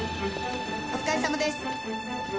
お疲れさまです。